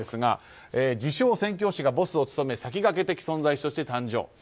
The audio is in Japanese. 自称宣教師がボスを務め先駆け的存在として誕生。